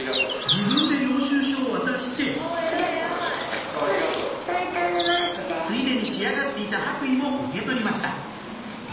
自分で領収書を渡してついでに仕上がっていた白衣も受け取りました